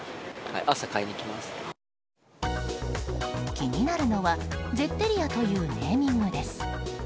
気になるのはゼッテリアというネーミングです。